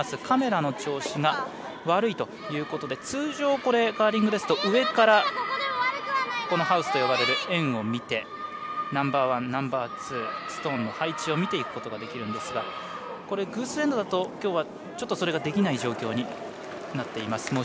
カメラの調子が悪いということで通常、カーリングですと上からハウスと呼ばれる円を見てナンバーワン、ナンバーツーストーンの配置を見ていくことができるんですが偶数エンドだときょうはそれができない状況になっています。